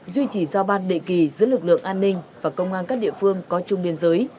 duy trì giao ban đệ kỳ giữa lực lượng an ninh và công an các địa phương có chung biên giới